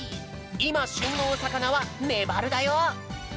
いましゅんのおさかなはめばるだよ！